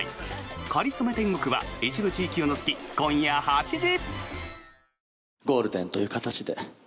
「かりそめ天国」は一部地域を除き今夜８時。